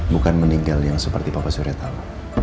bukan meninggal yang seperti bapak surya tahu